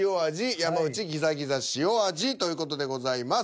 山内「ギザギザしお味」という事でございます。